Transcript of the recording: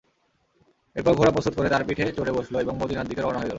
এরপর ঘোড়া প্রস্তুত করে তার পিঠে চড়ে বসল এবং মদীনার দিকে রওনা হয়ে গেল।